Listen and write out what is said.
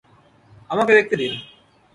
আমাকে দেখতে দিন।